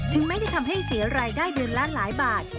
ไม่ได้ทำให้เสียรายได้เดือนละหลายบาท